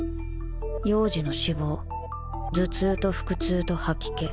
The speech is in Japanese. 幼児の死亡頭痛と腹痛と吐き気